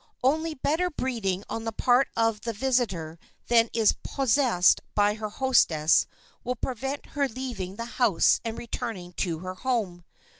Only better breeding on the part of the visitor than is possessed by her hostess will prevent her leaving the house and returning to her home.